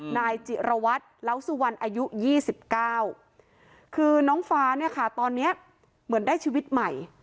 นายจิรวัตรเล้าสุวรรณอายุ๒๙คือน้องฟ้าเนี่ยค่ะตอนนี้เหมือนได้ชีวิตใหม่